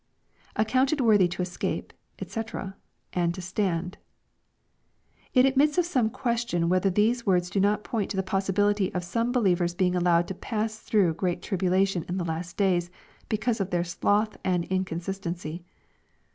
[Accounted worthy to escape, &c...and to stand.] It admits of some question whrether these words do not point to the possibility of some believers being allowed to pass through great tribulation in the last days, because of their sloth and inconsistency.